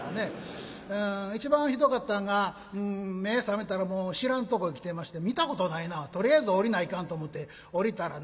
一番ひどかったんが目ぇ覚めたらもう知らんとこへ来てまして「見たことないなあとりあえず降りないかん」と思て降りたらね